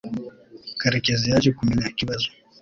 Karekezi yaje kumenya ikibazo.